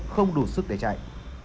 không đủ sức để chạy